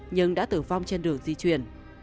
nhưng đã tử vong trên đường di chuyển